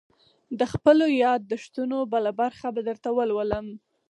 _د خپلو ياد دښتونو بله برخه به درته ولولم.